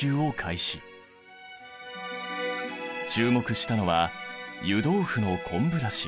注目したのは湯豆腐の昆布だし。